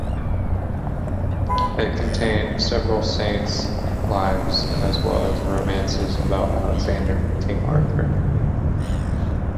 It contained several saints' lives as well as romances about Alexander and King Arthur.